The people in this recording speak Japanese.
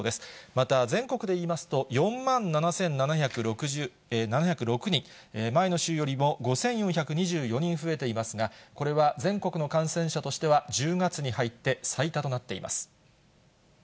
また全国でいいますと、４万７７０６人、前の週よりも５４２４人増えていますが、これは全国の感染者としては１０月に入って最多となっています。